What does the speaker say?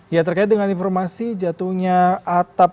ya terkait dengan informasi jatuhnya atap